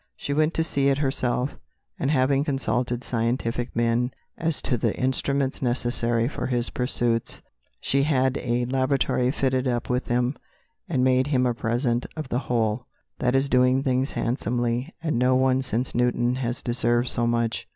She went to see it herself, and having consulted scientific men as to the instruments necessary for his pursuits, she had a laboratory fitted up with them, and made him a present of the whole. That is doing things handsomely, and no one since Newton has deserved so much."